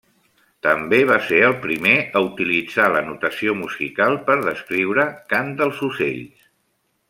També va ser el primer a utilitzar la notació musical per descriure cant dels ocells.